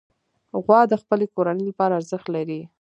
غوا د خپلې کورنۍ لپاره ارزښت لري.